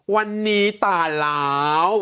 วันนี้ตายแล้ว